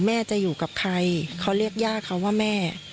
แม่จะอยู่กับใครเขาเรียกย่าเขาว่าแม่